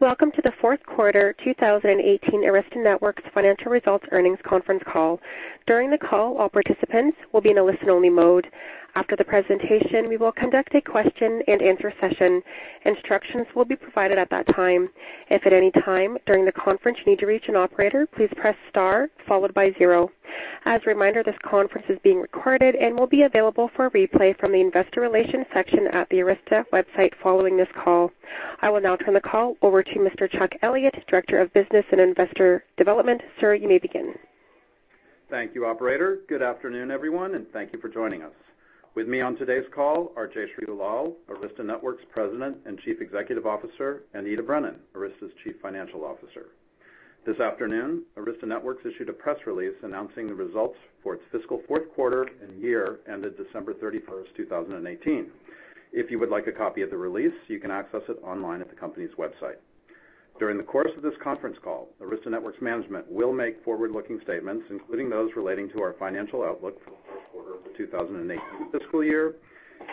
Welcome to the fourth quarter 2018 Arista Networks financial results earnings conference call. During the call, all participants will be in a listen-only mode. After the presentation, we will conduct a question and answer session. Instructions will be provided at that time. If at any time during the conference you need to reach an operator, please press star followed by zero. As a reminder, this conference is being recorded and will be available for replay from the investor relations section at the Arista website following this call. I will now turn the call over to Mr. Chuck Elliott, Director of Business and Investor Development. Sir, you may begin. Thank you, operator. Good afternoon, everyone, and thank you for joining us. With me on today's call are Jayshree Ullal, Arista Networks President and Chief Executive Officer, and Ita Brennan, Arista's Chief Financial Officer. This afternoon, Arista Networks issued a press release announcing the results for its fiscal fourth quarter and year ended December 31st, 2018. If you would like a copy of the release, you can access it online at the company's website. During the course of this conference call, Arista Networks management will make forward-looking statements, including those relating to our financial outlook for the fourth quarter of the 2018 fiscal year,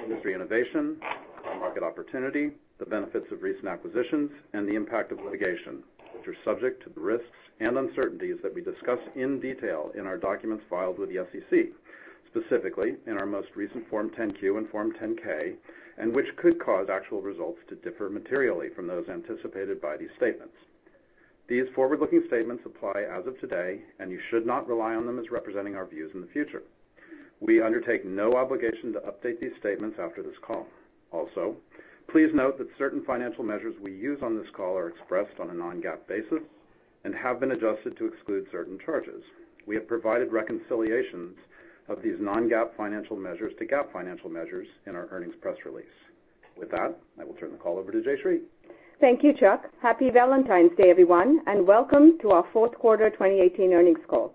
industry innovation, our market opportunity, the benefits of recent acquisitions, and the impact of litigation, which are subject to the risks and uncertainties that we discuss in detail in our documents filed with the SEC, specifically in our most recent Form 10-Q and Form 10-K, which could cause actual results to differ materially from those anticipated by these statements. These forward-looking statements apply as of today. You should not rely on them as representing our views in the future. We undertake no obligation to update these statements after this call. Please note that certain financial measures we use on this call are expressed on a non-GAAP basis and have been adjusted to exclude certain charges. We have provided reconciliations of these non-GAAP financial measures to GAAP financial measures in our earnings press release. With that, I will turn the call over to Jayshree. Thank you, Chuck. Happy Valentine's Day, everyone. Welcome to our fourth quarter 2018 earnings call.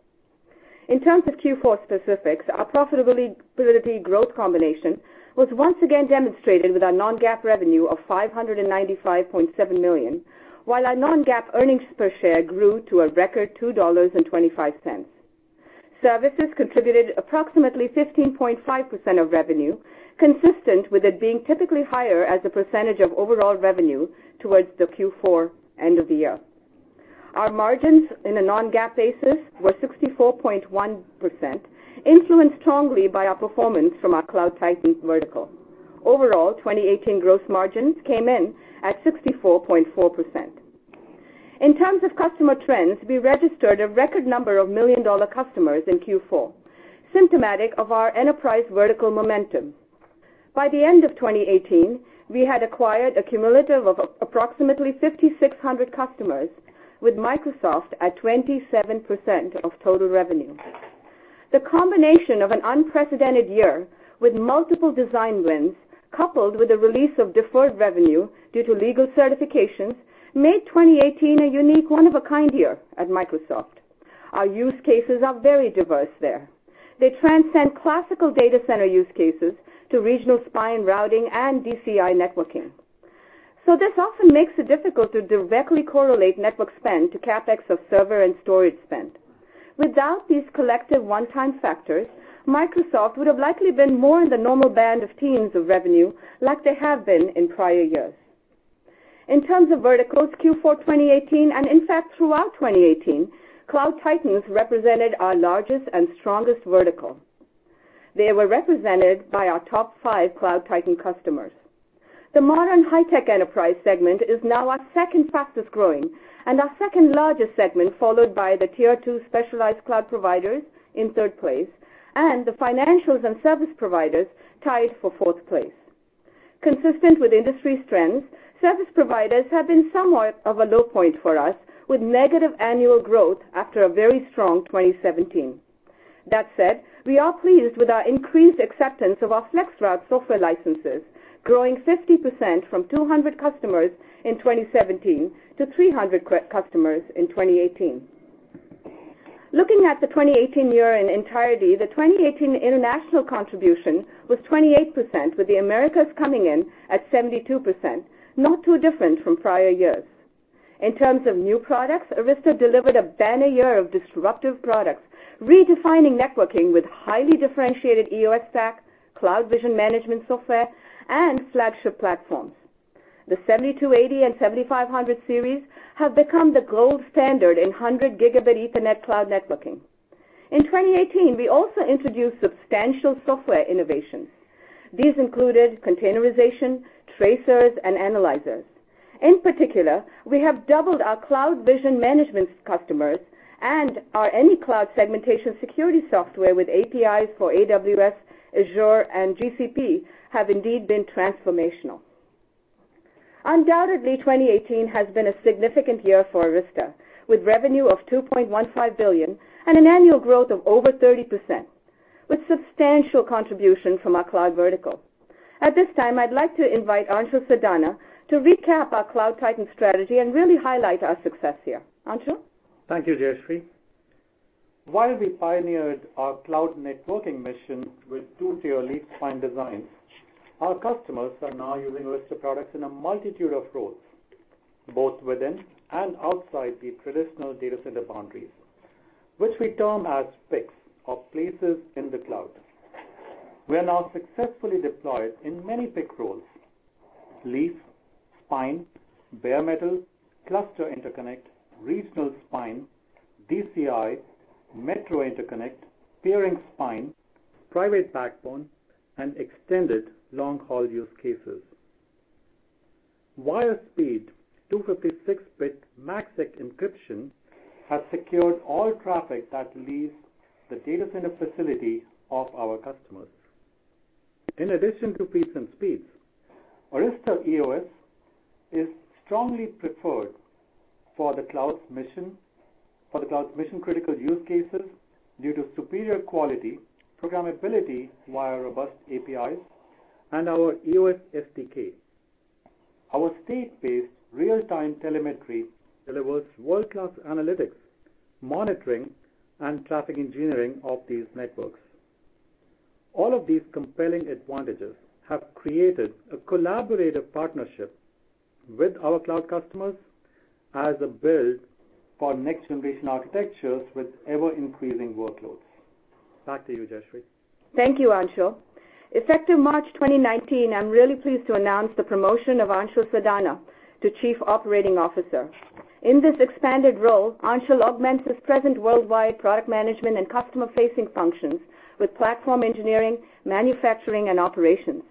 In terms of Q4 specifics, our profitability growth combination was once again demonstrated with our non-GAAP revenue of $595.7 million, while our non-GAAP earnings per share grew to a record $2.25. Services contributed approximately 15.5% of revenue, consistent with it being typically higher as a percentage of overall revenue towards the Q4 end of the year. Our margins in a non-GAAP basis were 64.1%, influenced strongly by our performance from our Cloud Titan vertical. Overall, 2018 gross margins came in at 64.4%. In terms of customer trends, we registered a record number of million-dollar customers in Q4, symptomatic of our enterprise vertical momentum. By the end of 2018, we had acquired a cumulative of approximately 5,600 customers, with Microsoft at 27% of total revenue. The combination of an unprecedented year with multiple design wins, coupled with the release of deferred revenue due to legal certifications, made 2018 a unique, one-of-a-kind year at Microsoft. Our use cases are very diverse there. They transcend classical data center use cases to regional spine routing and DCI networking. This often makes it difficult to directly correlate network spend to CapEx of server and storage spend. Without these collective one-time factors, Microsoft would have likely been more in the normal band of teams of revenue like they have been in prior years. In terms of verticals, Q4 2018. In fact, throughout 2018, Cloud Titans represented our largest and strongest vertical. They were represented by our top five Cloud Titan customers. The modern high-tech enterprise segment is now our second fastest-growing and our second-largest segment, followed by the tier 2 specialized cloud providers in third place and the financials and service providers tied for fourth place. Consistent with industry trends, service providers have been somewhat of a low point for us, with negative annual growth after a very strong 2017. That said, we are pleased with our increased acceptance of our FlexRoute software licenses, growing 50% from 200 customers in 2017 to 300 customers in 2018. Looking at the 2018 year in entirety, the 2018 international contribution was 28%, with the Americas coming in at 72%, not too different from prior years. In terms of new products, Arista delivered a banner year of disruptive products, redefining networking with highly differentiated EOS stack, CloudVision management software, and flagship platforms. The 7280 and 7500 series have become the gold standard in 100 Gigabit Ethernet cloud networking. In 2018, we also introduced substantial software innovations. These included containerization, tracers, and analyzers. In particular, we have doubled our CloudVision management customers and our Any Cloud segmentation security software with APIs for AWS, Azure, and GCP have indeed been transformational. Undoubtedly, 2018 has been a significant year for Arista, with revenue of $2.15 billion and an annual growth of over 30%, with substantial contribution from our cloud vertical. At this time, I'd like to invite Anshul Sadana to recap our Cloud Titan strategy and really highlight our success here. Anshul? Thank you, Jayshree. While we pioneered our cloud networking mission with two-tier leaf-spine designs, our customers are now using Arista products in a multitude of roles, both within and outside the traditional data center boundaries, which we term as PICs or places in the cloud. We are now successfully deployed in many PIC roles: leaf, spine, bare metal, cluster interconnect, regional spine, DCI, metro interconnect, peering spine, private backbone, and extended long-haul use cases. Wire-speed 256-bit MACsec encryption has secured all traffic that leaves the data center facility of our customers. In addition to feats and speeds, Arista EOS is strongly preferred for the cloud's mission-critical use cases due to superior quality, programmability via robust APIs, and our EOS SDK. Our state-based real-time telemetry delivers world-class analytics, monitoring, and traffic engineering of these networks. All of these compelling advantages have created a collaborative partnership with our cloud customers as they build for next-generation architectures with ever-increasing workloads. Back to you, Jayshree. Thank you, Anshul. Effective March 2019, I am really pleased to announce the promotion of Anshul Sadana to Chief Operating Officer. In this expanded role, Anshul augments his present worldwide product management and customer-facing functions with platform engineering, manufacturing, and operations.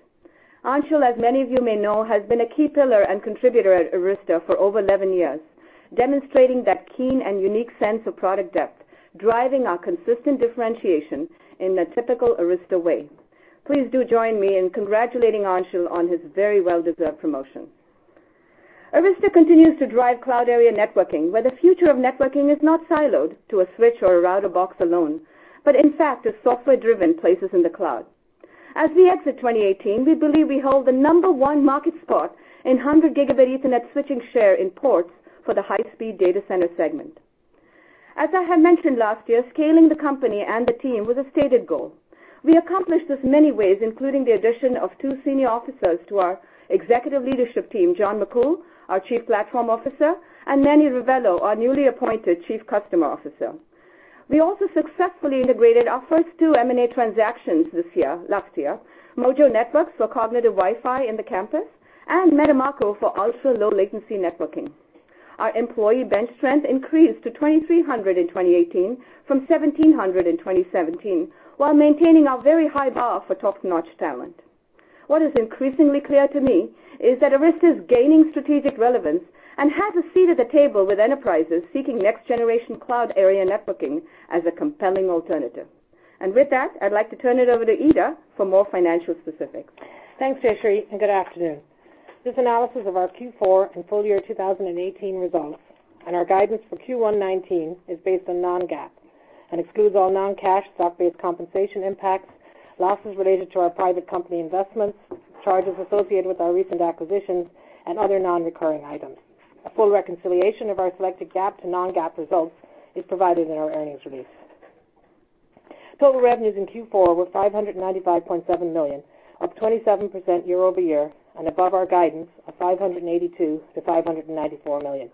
Anshul, as many of you may know, has been a key pillar and contributor at Arista for over 11 years, demonstrating that keen and unique sense of product depth, driving our consistent differentiation in a typical Arista way. Please do join me in congratulating Anshul on his very well-deserved promotion. Arista continues to drive cloud area networking, where the future of networking is not siloed to a switch or a router box alone, but in fact, the software-driven places in the cloud. As we exit 2018, we believe we hold the number one market spot in 100 Gigabit Ethernet switching share in ports for the high-speed data center segment. As I had mentioned last year, scaling the company and the team was a stated goal. We accomplished this many ways, including the addition of two senior officers to our executive leadership team, John McCool, our Chief Platform Officer, and Manny Rivelo, our newly appointed Chief Customer Officer. We also successfully integrated our first two M&A transactions last year, Mojo Networks for cognitive Wi-Fi in the campus, and Metamako for ultra-low latency networking. Our employee bench strength increased to 2,300 in 2018 from 1,700 in 2017, while maintaining our very high bar for top-notch talent. What is increasingly clear to me is that Arista's gaining strategic relevance and has a seat at the table with enterprises seeking next-generation cloud area networking as a compelling alternative. With that, I'd like to turn it over to Ita for more financial specifics. Thanks, Jayshree. Good afternoon. This analysis of our Q4 and full year 2018 results and our guidance for Q1 2019 is based on non-GAAP and excludes all non-cash stock-based compensation impacts, losses related to our private company investments, charges associated with our recent acquisitions, and other non-recurring items. A full reconciliation of our selected GAAP to non-GAAP results is provided in our earnings release. Total revenues in Q4 were $595.7 million, up 27% year-over-year and above our guidance of $582 million to $594 million.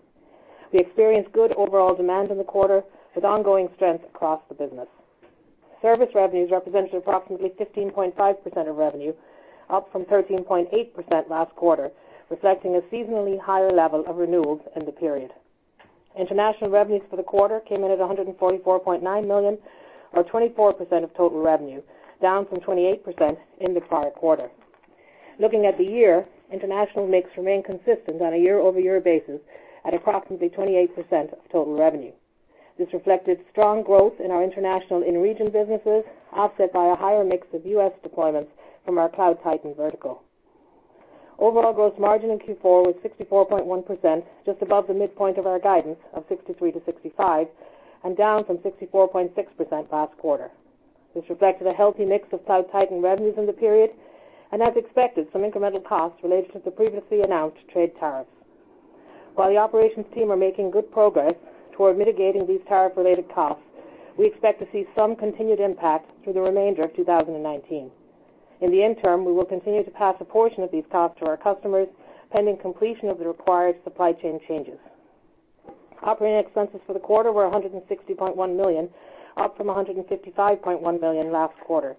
We experienced good overall demand in the quarter with ongoing strength across the business. Service revenues represented approximately 15.5% of revenue, up from 13.8% last quarter, reflecting a seasonally higher level of renewals in the period. International revenues for the quarter came in at $144.9 million, or 24% of total revenue, down from 28% in the prior quarter. Looking at the year, international mix remained consistent on a year-over-year basis at approximately 28% of total revenue. This reflected strong growth in our international in-region businesses, offset by a higher mix of U.S. deployments from our Cloud Titan vertical. Overall gross margin in Q4 was 64.1%, just above the midpoint of our guidance of 63% to 65%, and down from 64.6% last quarter. This reflects a healthy mix of Cloud Titan revenues in the period. As expected, some incremental costs related to the previously announced trade tariffs. While the operations team are making good progress toward mitigating these tariff-related costs, we expect to see some continued impact through the remainder of 2019. In the interim, we will continue to pass a portion of these costs to our customers, pending completion of the required supply chain changes. Operating expenses for the quarter were $160.1 million, up from $155.1 million last quarter.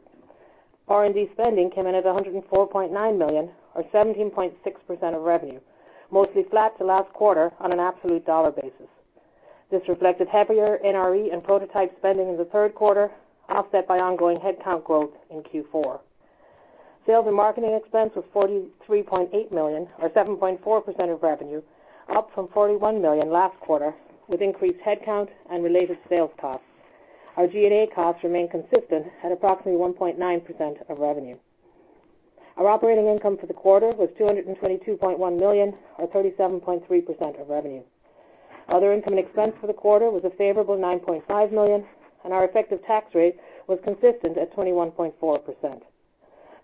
R&D spending came in at $104.9 million, or 17.6% of revenue, mostly flat to last quarter on an absolute dollar basis. This reflected heavier NRE and prototype spending in the third quarter, offset by ongoing headcount growth in Q4. Sales and marketing expense was $43.8 million, or 7.4% of revenue, up from $41 million last quarter, with increased headcount and related sales costs. Our G&A costs remain consistent at approximately 1.9% of revenue. Our operating income for the quarter was $222.1 million, or 37.3% of revenue. Other income and expense for the quarter was a favorable $9.5 million. Our effective tax rate was consistent at 21.4%.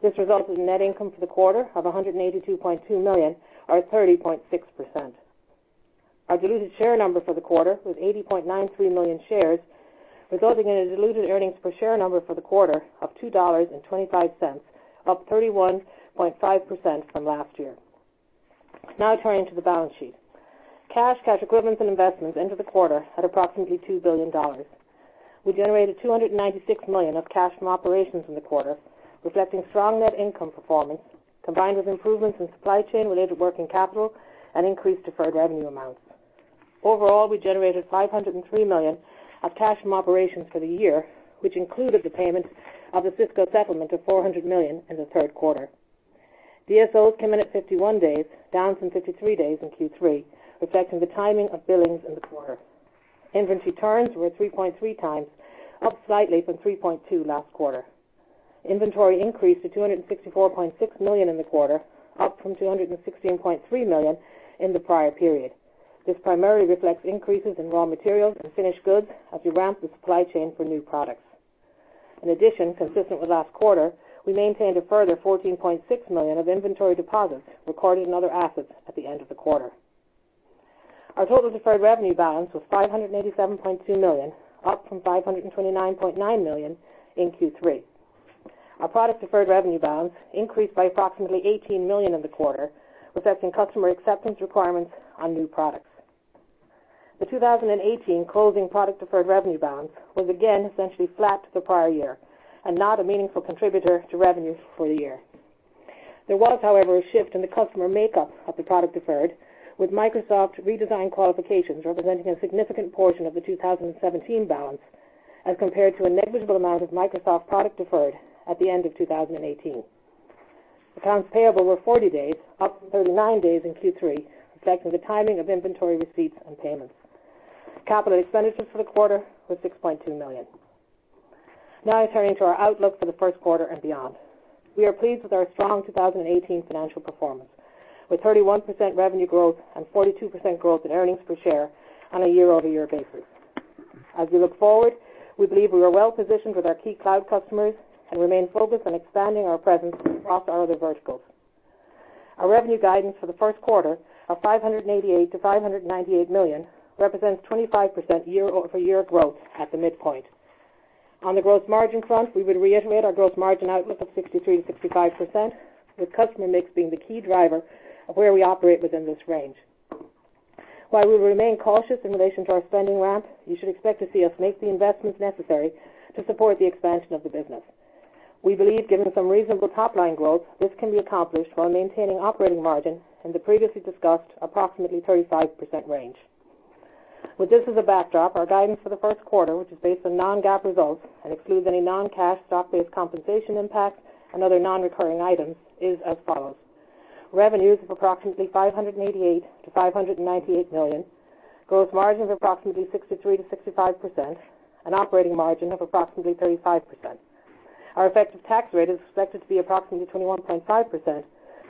This resulted in net income for the quarter of $182.2 million, or 30.6%. Our diluted share number for the quarter was 80.93 million shares, resulting in a diluted earnings per share number for the quarter of $2.25, up 31.5% from last year. Turning to the balance sheet. Cash, cash equivalents, and investments ended the quarter at approximately $2 billion. We generated $296 million of cash from operations in the quarter, reflecting strong net income performance, combined with improvements in supply chain-related working capital and increased deferred revenue amounts. Overall, we generated $503 million of cash from operations for the year, which included the payment of the Cisco settlement of $400 million in the third quarter. DSOs came in at 51 days, down from 53 days in Q3, reflecting the timing of billings in the quarter. Inventory turns were 3.3 times, up slightly from 3.2 last quarter. Inventory increased to $264.6 million in the quarter, up from $216.3 million in the prior period. This primarily reflects increases in raw materials and finished goods as we ramp the supply chain for new products. In addition, consistent with last quarter, we maintained a further $14.6 million of inventory deposits recorded in other assets at the end of the quarter. Our total deferred revenue balance was $587.2 million, up from $529.9 million in Q3. Our product deferred revenue balance increased by approximately $18 million in the quarter, reflecting customer acceptance requirements on new products. The 2018 closing product deferred revenue balance was again essentially flat to the prior year and not a meaningful contributor to revenues for the year. There was, however, a shift in the customer makeup of the product deferred, with Microsoft redesigned qualifications representing a significant portion of the 2017 balance as compared to a negligible amount of Microsoft product deferred at the end of 2018. Accounts payable were 40 days, up from 39 days in Q3, reflecting the timing of inventory receipts and payments. Capital expenditures for the quarter were $6.2 million. Now turning to our outlook for the first quarter and beyond. We are pleased with our strong 2018 financial performance, with 31% revenue growth and 42% growth in earnings per share on a year-over-year basis. As we look forward, we believe we are well-positioned with our key cloud customers and remain focused on expanding our presence across our other verticals. Our revenue guidance for the first quarter of $588 to $598 million represents 25% year-over-year growth at the midpoint. On the gross margin front, we would reiterate our gross margin outlook of 63% to 65%, with customer mix being the key driver of where we operate within this range. While we remain cautious in relation to our spending ramp, you should expect to see us make the investments necessary to support the expansion of the business. We believe, given some reasonable top-line growth, this can be accomplished while maintaining operating margin in the previously discussed approximately 35% range. With this as a backdrop, our guidance for the first quarter, which is based on non-GAAP results and excludes any non-cash stock-based compensation impact and other non-recurring items, is as follows. Revenues of approximately $588 to $598 million, gross margins of approximately 63% to 65%, an operating margin of approximately 35%. Our effective tax rate is expected to be approximately 21.5%,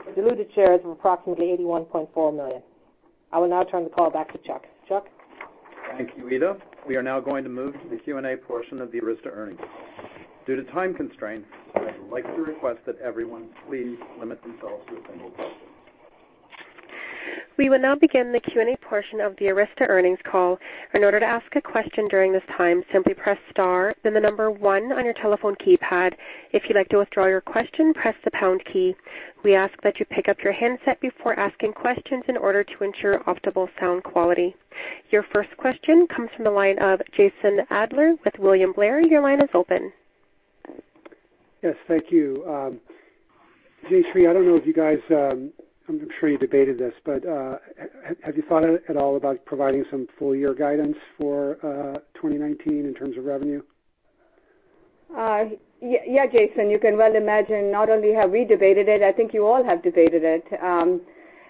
with diluted shares of approximately 81.4 million. I will now turn the call back to Chuck. Chuck? Thank you, Ita. We are now going to move to the Q&A portion of the Arista earnings call. Due to time constraints, I'd like to request that everyone please limit themselves to a single question. We will now begin the Q&A portion of the Arista earnings call. In order to ask a question during this time, simply press star, then the number one on your telephone keypad. If you'd like to withdraw your question, press the pound key. We ask that you pick up your handset before asking questions in order to ensure optimal sound quality. Your first question comes from the line of Jason Ader with William Blair. Your line is open. Yes, thank you. Jayshree, I'm sure you debated this, have you thought at all about providing some full-year guidance for 2019 in terms of revenue? Yeah, Jason. You can well imagine, not only have we debated it, I think you all have debated it.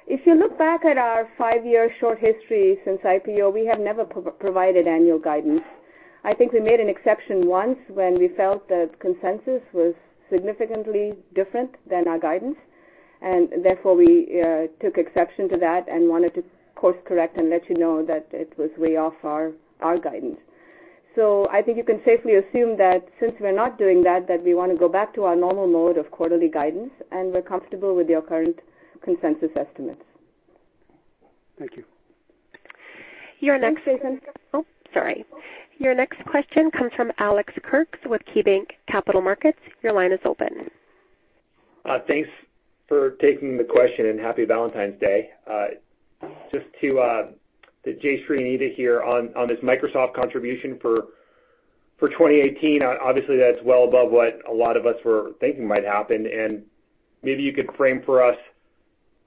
If you look back at our five-year short history since IPO, we have never provided annual guidance. I think we made an exception once when we felt the consensus was significantly different than our guidance. Therefore, we took exception to that and wanted to course-correct and let you know that it was way off our guidance. I think you can safely assume that since we're not doing that we want to go back to our normal mode of quarterly guidance, and we're comfortable with your current consensus estimates. Thank you. Your next- Thanks, Jason. Oh, sorry. Your next question comes from Alex Kurtz with KeyBanc Capital Markets. Your line is open. Thanks for taking the question, Happy Valentine's Day. Just to Jayshree and Ita here, on this Microsoft contribution for 2018, obviously, that's well above what a lot of us were thinking might happen. Maybe you could frame for us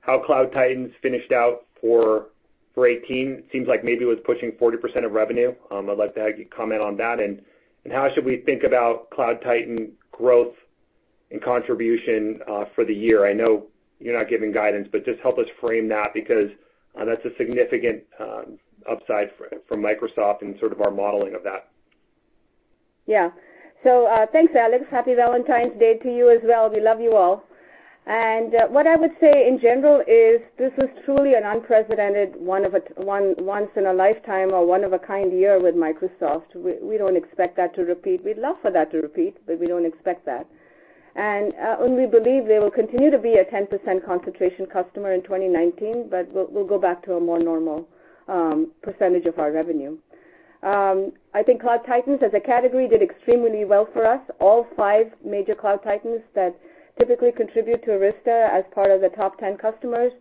how Cloud Titan's finished out for 2018. Seems like maybe it was pushing 40% of revenue. I'd like to have you comment on that. How should we think about Cloud Titan growth and contribution for the year? I know you're not giving guidance, but just help us frame that because that's a significant upside from Microsoft and sort of our modeling of that. Thanks, Alex. Happy Valentine's Day to you as well. We love you all. What I would say, in general, is this is truly an unprecedented, once in a lifetime or one of a kind year with Microsoft. We don't expect that to repeat. We'd love for that to repeat, but we don't expect that. We believe they will continue to be a 10% concentration customer in 2019, but we'll go back to a more normal percentage of our revenue. I think Cloud Titans as a category did extremely well for us. All five major Cloud Titans that typically contribute to Arista as part of the top 10 customers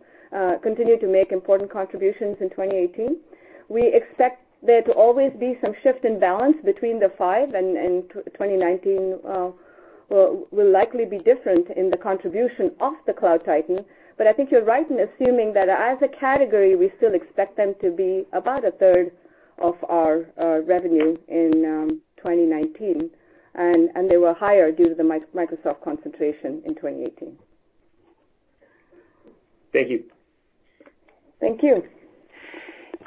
continue to make important contributions in 2018. We expect there to always be some shift in balance between the five, and 2019 will likely be different in the contribution of the Cloud Titan. I think you're right in assuming that as a category, we still expect them to be about a third of our revenue in 2019, and they were higher due to the Microsoft concentration in 2018. Thank you. Thank you.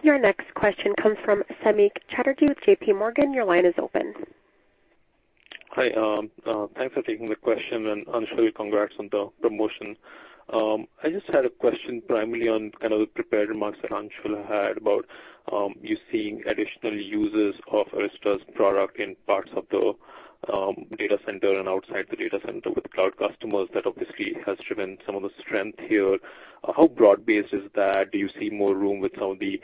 Your next question comes from Samik Chatterjee with JP Morgan. Your line is open. Hi, thanks for taking the question, and Anshul, congrats on the promotion. I just had a question primarily on the prepared remarks that Anshul had about you seeing additional users of Arista's product in parts of the data center and outside the data center with Cloud customers. That obviously has driven some of the strength here. How broad-based is that? Do you see more room with some of the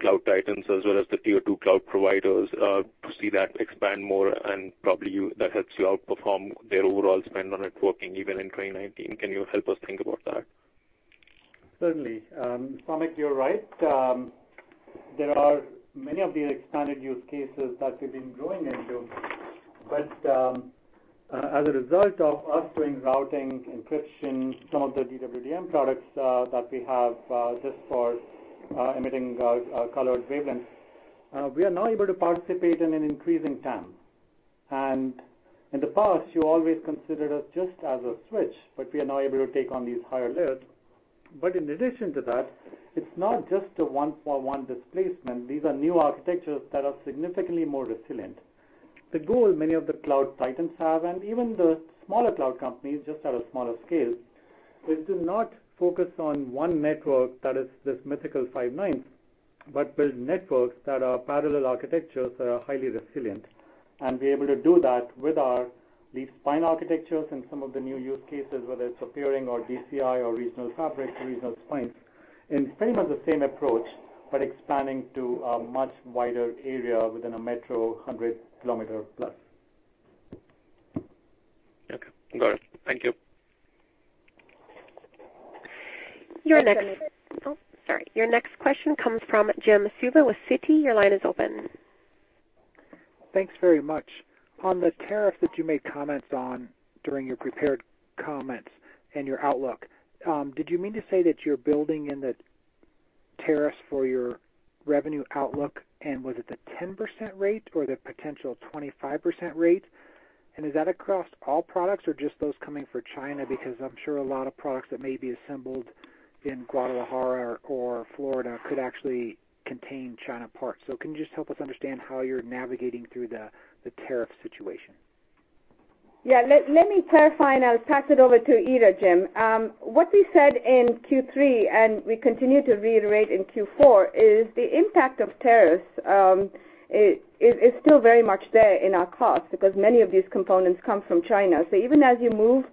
Cloud Titans as well as the tier 2 Cloud providers to see that expand more and probably that helps you outperform their overall spend on networking even in 2019? Can you help us think about that? Certainly. Samik, you're right. There are many of the expanded use cases that we've been growing into, but as a result of us doing routing, encryption, some of the DWDM products that we have just for emitting colored wavelengths, we are now able to participate in an increasing TAM, and in the past, you always considered us just as a switch, but we are now able to take on these higher layers. In addition to that, it's not just a one-for-one displacement. These are new architectures that are significantly more resilient. The goal many of the Cloud Titans have, and even the smaller Cloud companies just at a smaller scale, is to not focus on one network that is this mythical five nines, but build networks that are parallel architectures that are highly resilient and be able to do that with our leaf-spine architectures and some of the new use cases, whether it's peering or DCI or regional fabric, regional spines, in pretty much the same approach, but expanding to a much wider area within a metro 100 km plus. Okay, got it. Thank you. Your next- That's it. Oh, sorry. Your next question comes from Jim Suva with Citigroup. Your line is open. Thanks very much. On the tariff that you made comments on during your prepared comments and your outlook, did you mean to say that you're building in the tariffs for your revenue outlook, and was it the 10% rate or the potential 25% rate? Is that across all products or just those coming for China? Because I'm sure a lot of products that may be assembled in Guadalajara or Florida could actually contain China parts. Can you just help us understand how you're navigating through the tariff situation? Yeah. Let me clarify and I'll pass it over to Ita, Jim. What we said in Q3, and we continue to reiterate in Q4, is the impact of tariffs is still very much there in our costs because many of these components come from China. Even as you move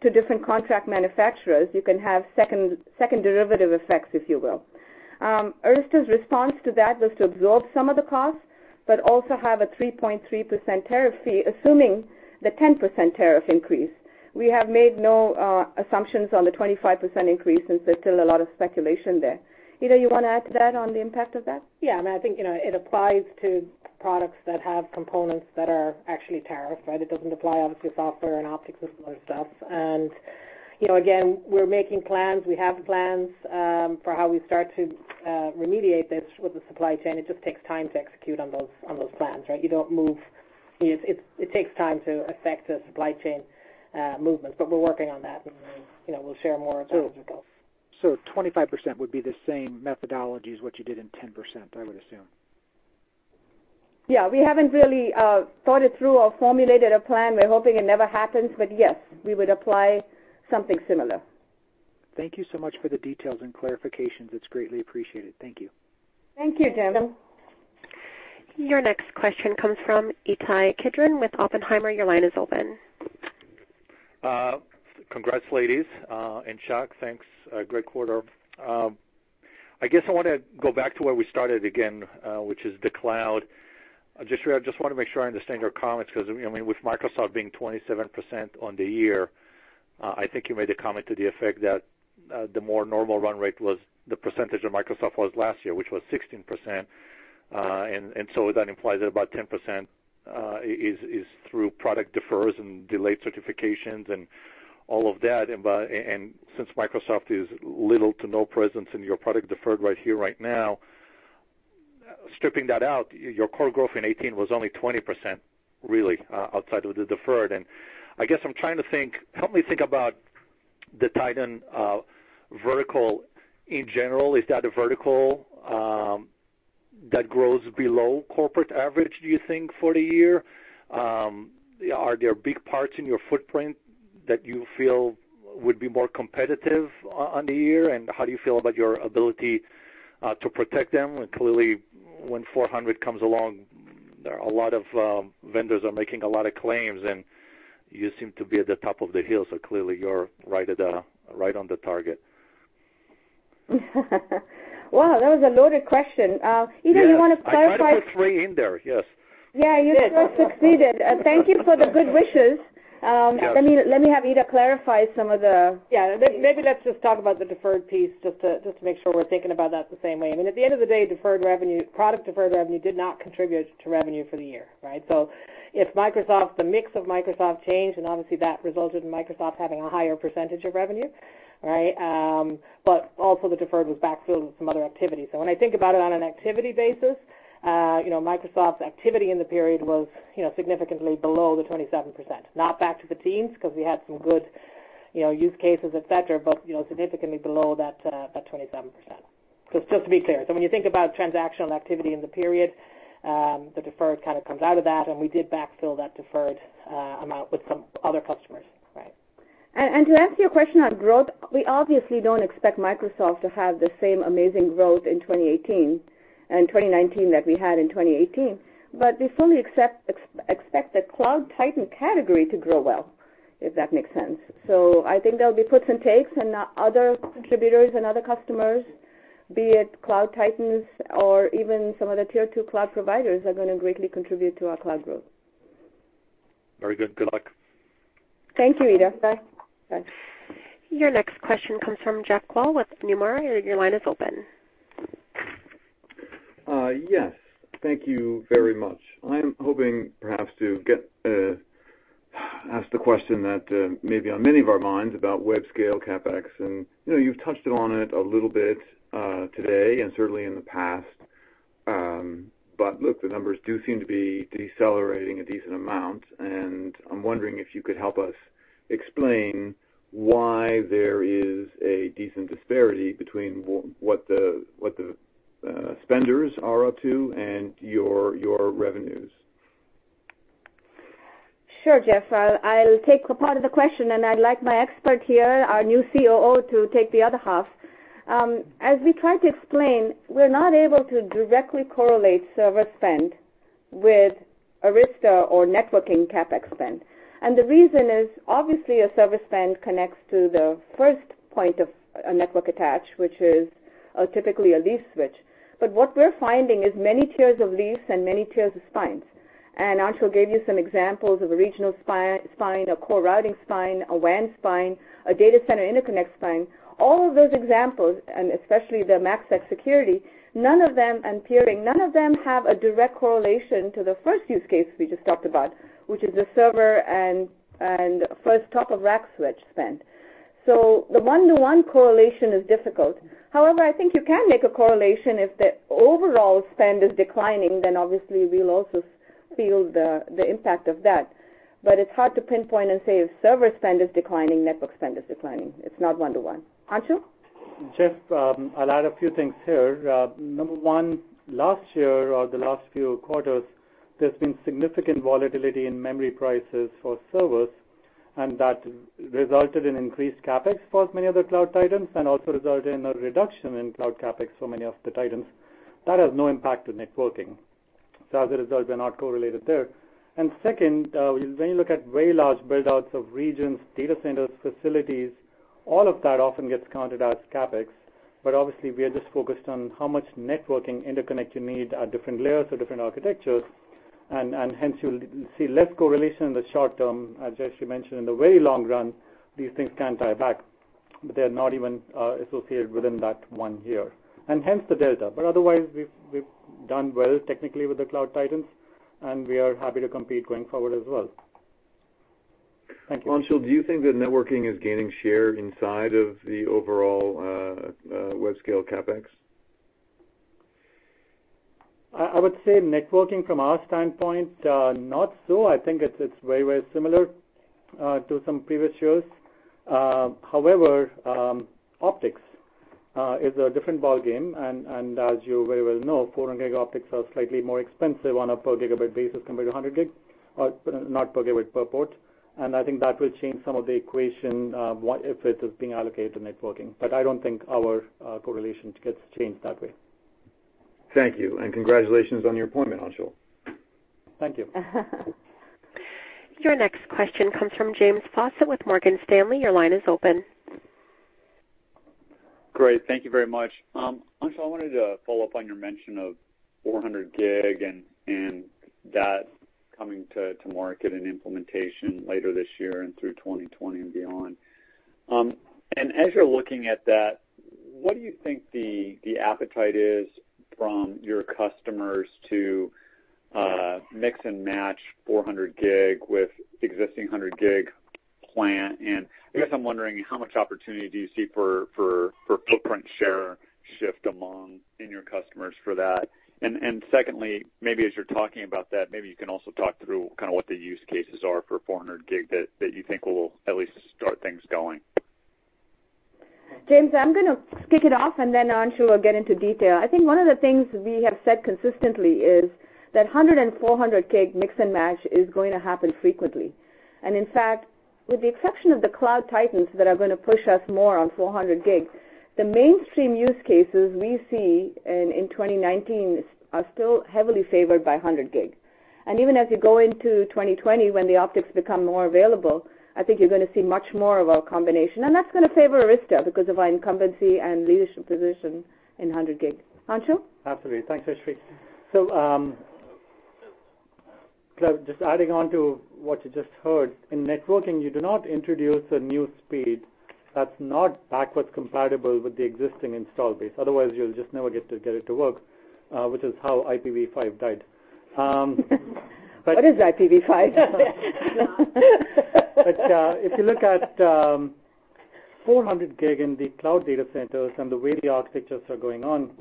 to different contract manufacturers, you can have second derivative effects, if you will. Arista's response to that was to absorb some of the costs, but also have a 3.3% tariff fee, assuming the 10% tariff increase. We have made no assumptions on the 25% increase since there's still a lot of speculation there. Ita, you want to add to that on the impact of that? Yeah, I think it applies to products that have components that are actually tariffed, right? It doesn't apply obviously to software and optics and similar stuff. Again, we're making plans. We have plans for how we start to remediate this with the supply chain. It just takes time to execute on those plans, right? It takes time to affect the supply chain movements, but we're working on that and we'll share more as that develops. 25% would be the same methodology as what you did in 10%, I would assume. Yeah. We haven't really thought it through or formulated a plan. We're hoping it never happens, but yes, we would apply something similar. Thank you so much for the details and clarifications. It's greatly appreciated. Thank you. Thank you, Jim. Your next question comes from Ittai Kidron with Oppenheimer. Your line is open. Congrats, ladies. Shak, thanks. Great quarter. I guess I want to go back to where we started again, which is the cloud. I just want to make sure I understand your comments because with Microsoft being 27% on the year, I think you made a comment to the effect that the more normal run rate was the percentage of Microsoft was last year, which was 16%. That implies that about 10% is through product defers and delayed certifications and all of that. Since Microsoft is little to no presence in your product deferred right here right now, stripping that out, your core growth in 2018 was only 20%, really, outside of the deferred. I guess I'm trying to think, help me think about the Titan vertical in general. Is that a vertical that grows below corporate average, do you think, for the year? Are there big parts in your footprint that you feel would be more competitive on the year, and how do you feel about your ability to protect them? Clearly, when 400G comes along, a lot of vendors are making a lot of claims, and you seem to be at the top of the hill, so clearly you're right on the target. Wow, that was a loaded question. Ita, do you want to clarify? Yes, I tried to put three in there, yes. You sure succeeded. Thank you for the good wishes. Yes. Let me have Ita clarify some of the Maybe let's just talk about the deferred piece just to make sure we're thinking about that the same way. I mean, at the end of the day, product deferred revenue did not contribute to revenue for the year, right? If the mix of Microsoft changed, then obviously that resulted in Microsoft having a higher percentage of revenue, right? Also the deferred was backfilled with some other activity. When I think about it on an activity basis, Microsoft's activity in the period was significantly below the 27%. Not back to the teams, because we had some good use cases, et cetera, but significantly below that 27%. Just to be clear, when you think about transactional activity in the period, the deferred kind of comes out of that, and we did backfill that deferred amount with some other customers. Right. To answer your question on growth, we obviously don't expect Microsoft to have the same amazing growth in 2019 that we had in 2018. We fully expect the Cloud Titan category to grow well, if that makes sense. I think there'll be puts and takes and other contributors and other customers, be it Cloud Titans or even some of the tier 2 cloud providers, are going to greatly contribute to our cloud growth. Very good. Good luck. Thank you, Ita. Bye. Bye. Your next question comes from Jeff Kvaal with Nomura. Your line is open. Yes. Thank you very much. I'm hoping perhaps to ask the question that may be on many of our minds about web scale CapEx. You've touched on it a little bit today and certainly in the past. Look, the numbers do seem to be decelerating a decent amount, and I'm wondering if you could help us explain why there is a decent disparity between what the spenders are up to and your revenues. Sure, Jeff. I'll take a part of the question, and I'd like my expert here, our new COO, to take the other half. As we tried to explain, we're not able to directly correlate server spend with Arista or networking CapEx spend. The reason is, obviously, a server spend connects to the first point of a network attach, which is typically a leaf switch. What we're finding is many tiers of leaves and many tiers of spines. Anshul gave you some examples of a regional spine, a core routing spine, a WAN spine, a data center interconnect spine. All of those examples, and especially the MACsec security and peering, none of them have a direct correlation to the first use case we just talked about, which is the server and first top of rack switch spend. The one-to-one correlation is difficult. However, I think you can make a correlation if the overall spend is declining, then obviously we'll also feel the impact of that. It's hard to pinpoint and say if server spend is declining, network spend is declining. It's not one-to-one. Anshul? Jeff, I'll add a few things here. Number one, last year or the last few quarters, there's been significant volatility in memory prices for servers, and that resulted in increased CapEx for many of the Cloud Titans and also resulted in a reduction in cloud CapEx for many of the Titans. That has no impact to networking. As a result, they're not correlated there. Second, when you look at very large build-outs of regions, data centers, facilities, all of that often gets counted as CapEx. Obviously, we are just focused on how much networking interconnect you need at different layers or different architectures. Hence you'll see less correlation in the short term. As Jayshree mentioned, in the very long run, these things can tie back, but they're not even associated within that one year. Hence the data. Otherwise, we've done well technically with the Cloud Titans, and we are happy to compete going forward as well. Thank you. Anshul, do you think that networking is gaining share inside of the overall web scale CapEx? I would say networking from our standpoint, not so. I think it's very similar to some previous years. Optics is a different ballgame, as you very well know, 400G optics are slightly more expensive on a per gigabit basis compared to 100G, not per gigabit, per port. I think that will change some of the equation, what if it is being allocated to networking. I don't think our correlation gets changed that way. Thank you, congratulations on your appointment, Anshul. Thank you. Your next question comes from James Faucette with Morgan Stanley. Your line is open. Great. Thank you very much. Anshul, I wanted to follow up on your mention of 400 gig and that coming to market and implementation later this year and through 2020 and beyond. As you're looking at that, what do you think the appetite is from your customers to mix and match 400 gig with existing 100 gig plan? I guess I'm wondering, how much opportunity do you see for footprint share shift among in your customers for that? Secondly, maybe as you're talking about that, maybe you can also talk through what the use cases are for 400 gig that you think will at least start things going. James, I'm going to kick it off, and then Anshul will get into detail. I think one of the things we have said consistently is that 100 and 400 gig mix and match is going to happen frequently. In fact, with the exception of the Cloud Titans that are going to push us more on 400 gig, the mainstream use cases we see in 2019 are still heavily favored by 100 gig. Even as you go into 2020, when the optics become more available, I think you're going to see much more of a combination, and that's going to favor Arista because of our incumbency and leadership position in 100G. Anshul? Absolutely. Thanks, Jayshree. Just adding on to what you just heard. In networking, you do not introduce a new speed that's not backwards compatible with the existing install base. Otherwise, you'll just never get it to work, which is how IPv6 died. What is IPv6? If you look at 400G in the cloud data centers and the way the architectures are going on,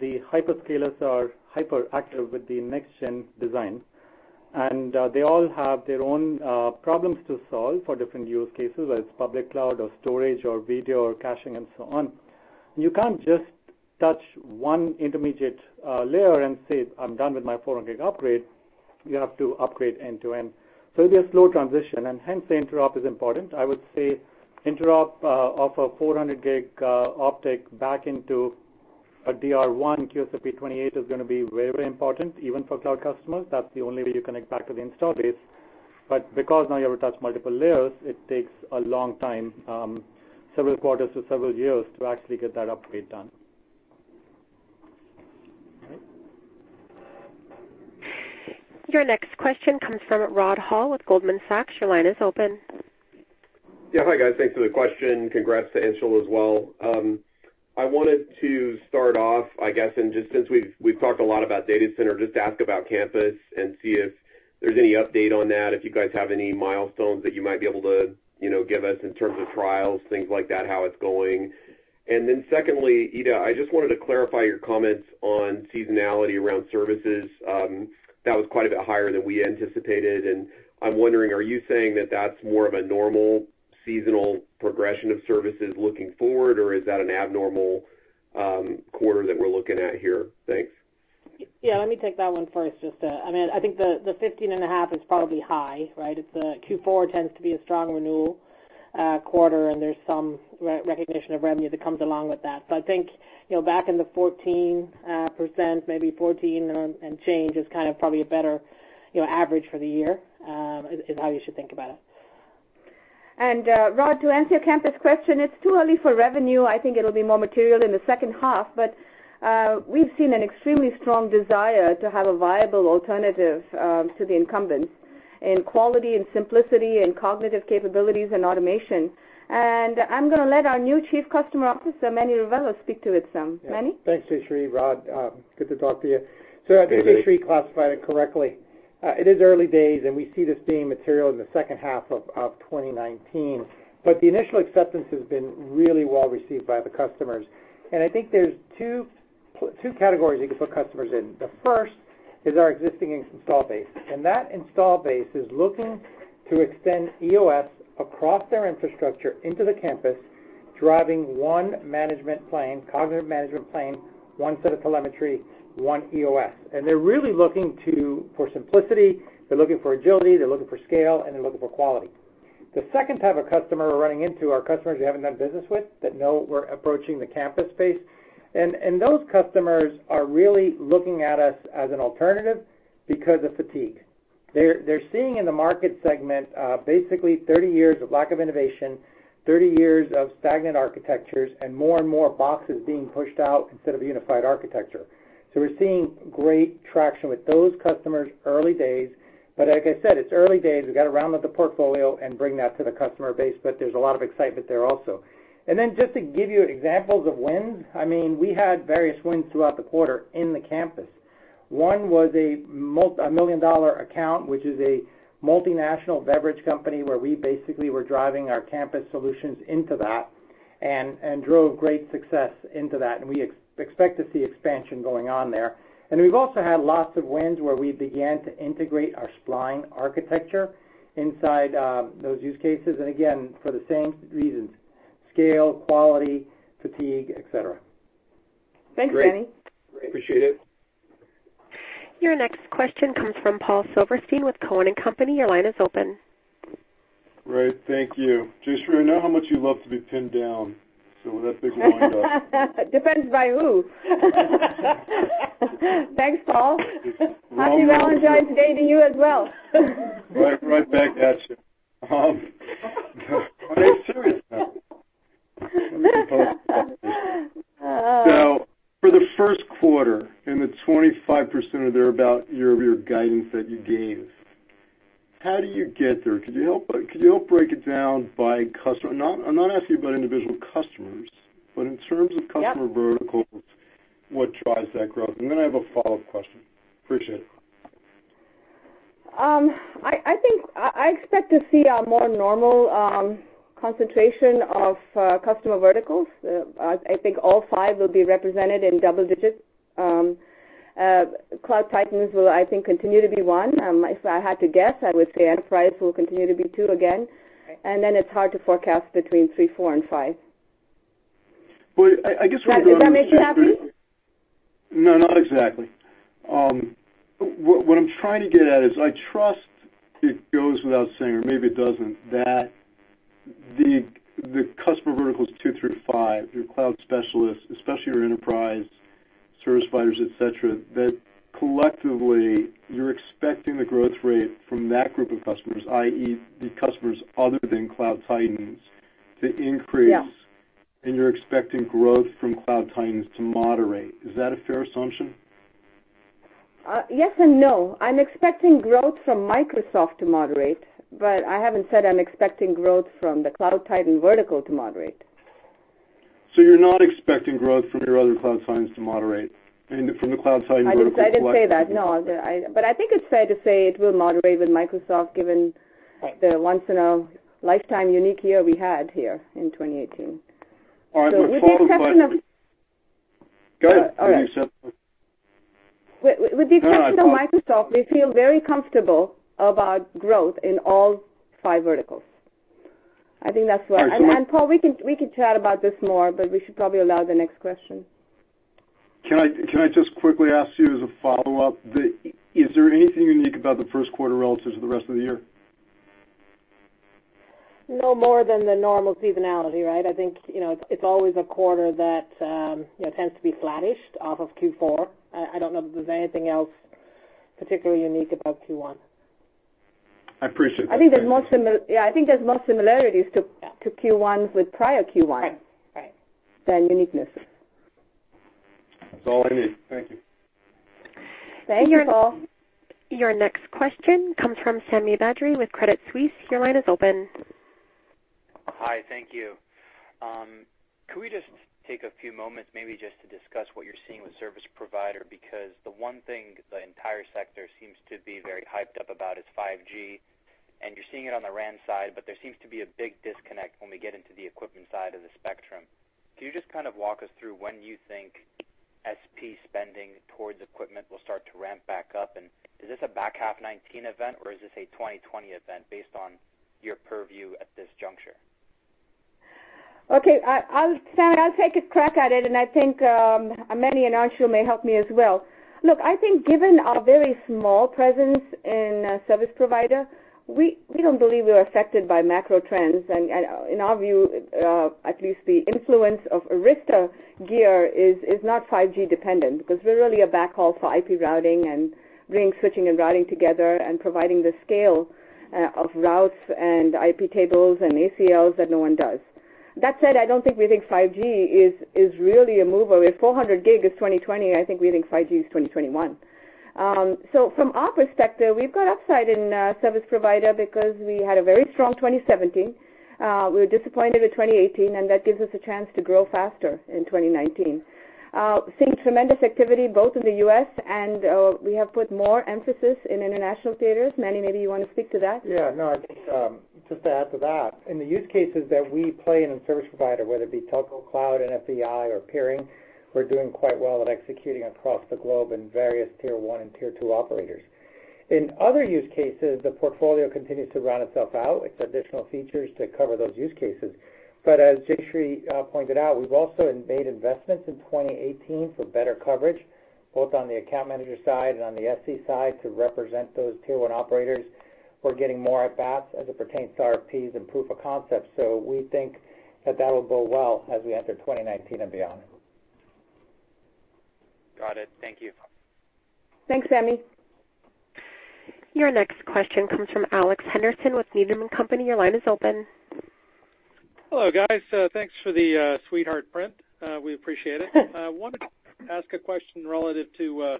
the hyperscalers are hyperactive with the next-gen design, and they all have their own problems to solve for different use cases, as public cloud or storage or video or caching and so on. You can't just touch one intermediate layer and say, "I'm done with my 400G upgrade." You have to upgrade end-to-end. There's slow transition, and hence the interop is important. I would say interop of a 400G optic back into a DR1 QSFP28 is going to be very important, even for cloud customers. That's the only way you connect back to the install base. Because now you have to touch multiple layers, it takes a long time, several quarters to several years to actually get that upgrade done. All right. Your next question comes from Rod Hall with Goldman Sachs. Your line is open. Hi, guys. Thanks for the question. Congrats to Anshul as well. I wanted to start off, I guess, since we've talked a lot about data center, just ask about campus and see if there's any update on that. If you guys have any milestones that you might be able to give us in terms of trials, things like that, how it's going. Secondly, Ita, I just wanted to clarify your comments on seasonality around services. That was quite a bit higher than we anticipated, and I'm wondering, are you saying that that's more of a normal seasonal progression of services looking forward, or is that an abnormal quarter that we're looking at here? Thanks. Yeah, let me take that one first. I think the 15 and a half is probably high, right? Q4 tends to be a strong renewal quarter, and there's some recognition of revenue that comes along with that. I think back in the 14%, maybe 14 and change is probably a better average for the year is how you should think about it. Rod, to answer your campus question, it's too early for revenue. I think it'll be more material in the second half, but we've seen an extremely strong desire to have a viable alternative to the incumbents in quality and simplicity and cognitive capabilities and automation. I'm going to let our new Chief Customer Officer, Manny Rivelo, speak to it some. Manny. Thanks, Jayshree. Rod, good to talk to you. Hey, Manny. I think Jayshree classified it correctly. It is early days, and we see this being material in the second half of 2019. The initial acceptance has been really well received by the customers, and I think there's two categories you can put customers in. The first is our existing install base, and that install base is looking to extend EOS across their infrastructure into the campus, driving one management plane, cognitive management plane, one set of telemetry, one EOS. They're really looking for simplicity, they're looking for agility, they're looking for scale, and they're looking for quality. The second type of customer we're running into are customers we haven't done business with that know we're approaching the campus space, and those customers are really looking at us as an alternative because of fatigue. They're seeing in the market segment basically 30 years of lack of innovation, 30 years of stagnant architectures, and more and more boxes being pushed out instead of unified architecture. We're seeing great traction with those customers early days. Like I said, it's early days. We've got to round out the portfolio and bring that to the customer base, but there's a lot of excitement there also. Just to give you examples of wins, we had various wins throughout the quarter in the campus. One was a $1 million account, which is a multinational beverage company where we basically were driving our campus solutions into that and drove great success into that, and we expect to see expansion going on there. We've also had lots of wins where we began to integrate our spine architecture inside those use cases, and again, for the same reasons, scale, quality, fatigue, et cetera. Thanks, Manny. Great. Appreciate it. Your next question comes from Paul Silverstein with Cowen & Company. Your line is open. Great. Thank you. Jayshree, I know how much you love to be pinned down. Depends by who. Thanks, Paul. Happy Valentine's Day to you as well. Right back at you. No, I'm serious now. For the first quarter, in the 25% or thereabout year-over-year guidance that you gave, how do you get there? Could you help break it down by customer? I'm not asking about individual customers, but in terms of customer verticals, what drives that growth? I have a follow-up question. Appreciate it. I expect to see a more normal concentration of customer verticals. I think all five will be represented in double digits. Cloud Titans will, I think, continue to be one. If I had to guess, I would say enterprise will continue to be two again. It's hard to forecast between three, four, and five. Well, I guess. [Does that make you happy?] No, not exactly. What I'm trying to get at is I trust it goes without saying, or maybe it doesn't, that the customer verticals two through five, your cloud specialists, especially your enterprise service providers, et cetera, that collectively you're expecting the growth rate from that group of customers, i.e., the customers other than Cloud Titans, to increase. Yeah. You're expecting growth from Cloud Titans to moderate. Is that a fair assumption? Yes and no. I'm expecting growth from Microsoft to moderate, but I haven't said I'm expecting growth from the Cloud Titan vertical to moderate. You're not expecting growth from your other Cloud Titans to moderate and from the Cloud Titan vertical. I didn't say that, no. I think it's fair to say it will moderate with Microsoft given the once in a lifetime unique year we had here in 2018. All right. Look, follow-up question. With the exception of- Go ahead. All right. You said Go ahead. With the exception of Microsoft, we feel very comfortable about growth in all five verticals. Paul, we can chat about this more. We should probably allow the next question. Can I just quickly ask you as a follow-up, is there anything unique about the first quarter relative to the rest of the year? No more than the normal seasonality, right? I think it's always a quarter that tends to be flattish off of Q4. I don't know that there's anything else particularly unique about Q1. I appreciate that. I think there's more similarities to Q1 with prior Q1s. Right. Than uniqueness. That's all I need. Thank you. Thank you, Paul. Your next question comes from Sami Badri with Credit Suisse. Your line is open. Hi. Thank you. Can we just take a few moments maybe just to discuss what you're seeing with service provider? The one thing the entire sector seems to be very hyped up about is 5G, and you're seeing it on the RAN side, but there seems to be a big disconnect when we get into the equipment side of the spectrum. Can you just walk us through when you think SP spending towards equipment will start to ramp back up? Is this a back half 2019 event, or is this a 2020 event, based on your purview at this juncture? Sami, I'll take a crack at it, and I think Manny and Anshul may help me as well. Look, I think given our very small presence in service provider, we don't believe we are affected by macro trends. In our view, at least the influence of Arista gear is not 5G dependent, because we're really a backhaul for IP routing and bringing switching and routing together and providing the scale of routes and IP tables and ACLs that no one does. That said, I don't think we think 5G is really a mover. If 400G is 2020, I think we think 5G is 2021. From our perspective, we've got upside in service provider because we had a very strong 2017. We were disappointed with 2018, and that gives us a chance to grow faster in 2019. Seeing tremendous activity both in the U.S. and we have put more emphasis in international theaters. Manny, maybe you want to speak to that. Just to add to that. In the use cases that we play in in service provider, whether it be telco, cloud, NFV/I, or peering, we're doing quite well at executing across the globe in various tier 1 and tier 2 operators. In other use cases, the portfolio continues to round itself out with additional features to cover those use cases. As Jayshree pointed out, we've also made investments in 2018 for better coverage, both on the account manager side and on the SE side to represent those tier 1 operators. We're getting more at bats as it pertains to RFPs and proof of concept. We think that that will go well as we enter 2019 and beyond. Got it. Thank you. Thanks, Sami. Your next question comes from Alex Henderson with Needham & Company. Your line is open. Hello, guys. Thanks for the sweetheart print. We appreciate it. I wanted to ask a question relative to